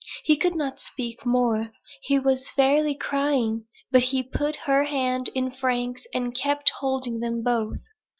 He could not speak more he was fairly crying; but he put her hand in Frank's and kept holding them both.